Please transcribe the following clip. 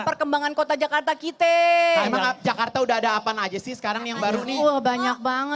perkembangan kota jakarta kita emang jakarta udah ada apaan aja sih sekarang yang baru nih wah banyak banget